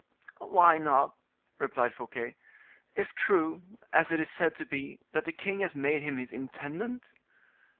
"Why not?" replied Fouquet; "if true, as it is said to be, that the king has made him his intendant?"